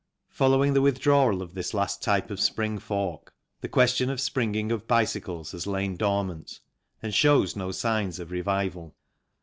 Following the withdrawal of this last type of spring fork the question of springing of bicycles has lain dormant, and shows no signs of revival.